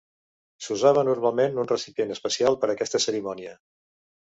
S'usava normalment un recipient especial per a aquesta cerimònia.